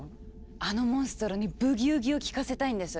あのモンストロに「ブギウギ」を聞かせたいんです。